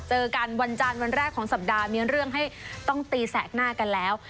เจอกันวันจันทร์วันแรกของสัปดาห์มีเรื่องให้ต้องตีแสกหน้ากันแล้ว